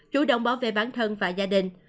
chủ động bảo vệ bản thân và gia đình